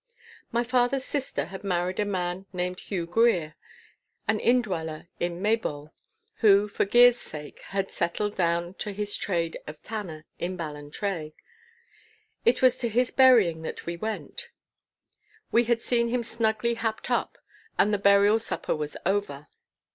My father's sister had married a man named Hew Grier, an indweller in Maybole, who for gear's sake had settled down to his trade of tanner in Ballantrae. It was to his burying that we went. We had seen him snugly happed up, and the burial supper was over.